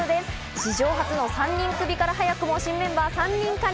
史上初の３人クビから早くも新メンバー３人が加入。